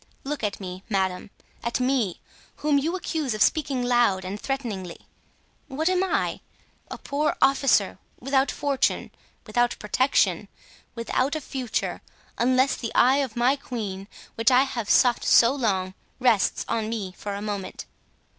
Look at me, madame—at me, whom you accuse of speaking loud and threateningly. What am I? A poor officer, without fortune, without protection, without a future, unless the eye of my queen, which I have sought so long, rests on me for a moment.